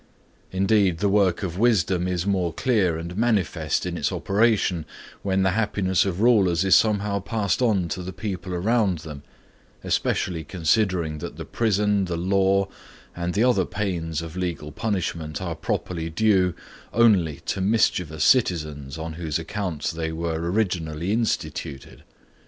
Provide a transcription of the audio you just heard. Indeed, the work of wisdom is more clear and manifest in its operation when the happiness of rulers is somehow passed on to the people around them, especially considering that the prison, the law, and the other pains of legal punishment are properly due only to mischievous citizens on whose account they were originally instituted.